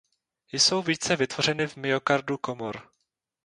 Jsou více vytvořeny v myokardu komor.